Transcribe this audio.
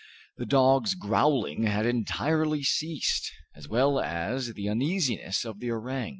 The dog's growling had entirely ceased, as well as the uneasiness of the orang.